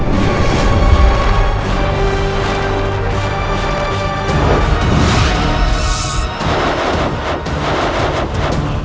kau akan merasakan ganasnya racun ini